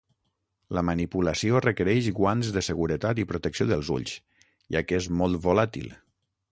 La manipulació requereix guants de seguretat i protecció dels ulls, ja que és molt volàtil.